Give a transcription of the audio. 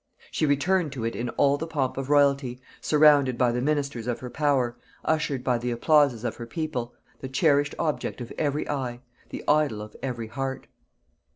She returned to it in all the pomp of royalty, surrounded by the ministers of her power, ushered by the applauses of her people; the cherished object of every eye, the idol of every heart.